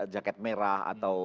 jaket merah atau